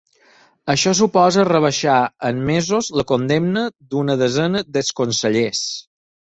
Això suposa rebaixar en mesos la condemna d’una desena d’exconsellers.